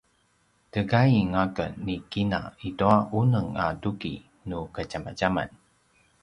tegain aken ni kina i tua unem a tuki nu kadjamadjaman